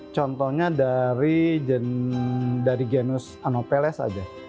contohnya dari genus anopheles saja